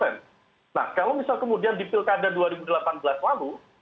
nah kalau misal kemudian di pilkada dua ribu delapan belas lalu